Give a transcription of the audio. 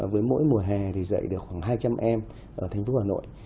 với mỗi mùa hè thì dạy được khoảng hai trăm linh em ở thành phố hà nội